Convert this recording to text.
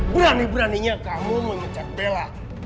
berani beraninya kamu memecat bela